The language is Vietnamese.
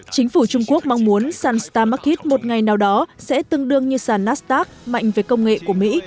chính phủ trung quốc mong muốn sản star market một ngày nào đó sẽ tương đương như sản nasdaq mạnh về công nghệ của mỹ